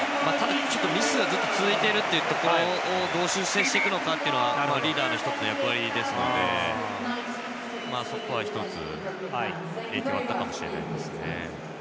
ミスが続いているというところをどう修正するかというのはリーダーの１つの役割ですのでそこは１つ、影響があったかもしれません。